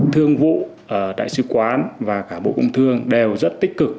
thương vụ đại sứ quán và cả bộ công thương đều rất tích cực